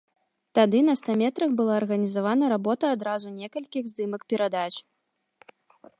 Тады на ста метрах была арганізавана работа адразу некалькіх здымак перадач.